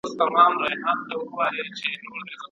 هغه په خپل ليکني وياړي.